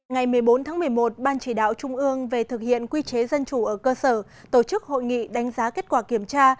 ngày một mươi bốn tháng một mươi một ban chỉ đạo trung ương về thực hiện quy chế dân chủ ở cơ sở tổ chức hội nghị đánh giá kết quả kiểm tra